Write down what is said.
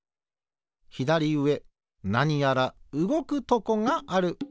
ひだりうえなにやらうごくとこがある。